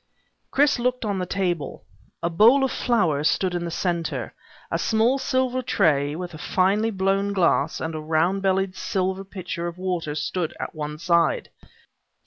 Chris looked on the table. A bowl of flowers stood in the center. A small silver tray with a finely blown glass and a round bellied silver pitcher of water stood at one side.